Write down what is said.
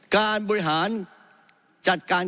การบริหาร